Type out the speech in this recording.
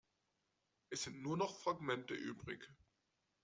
Es sind nur noch Fragmente übrig.